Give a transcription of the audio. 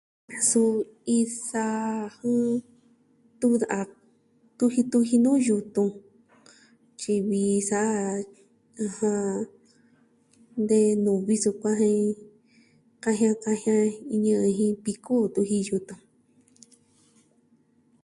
Suu, iin saa tu... tuji tuji nuu yutun tyi vi sa'a ja, ɨjɨn, de nuvi sukuan jen kajian kajian iñɨ jɨn jin piku ju tuji ji yutun.